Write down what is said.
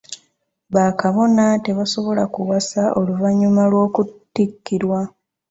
Ba Kabona tebasobola kuwasa oluvannyuma lw'okuttikirwa.